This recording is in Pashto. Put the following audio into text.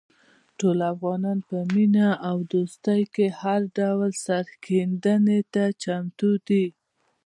ټول افغانان په مینه او دوستۍ کې هر ډول سرښندنې ته چمتو دي.